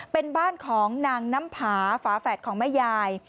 เป็นบ้านของนางน้ำผาฝาแฝดของแม่ยาย